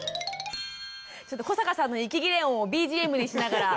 ちょっと古坂さんの息切れ音をＢＧＭにしながら。